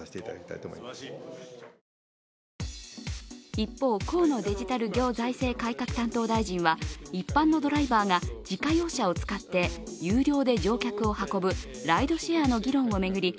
一方、河野デジタル行財政改革担当大臣は一般のドライバーが自家用車を使って有料で乗客を運ぶライドシェアの議論を巡り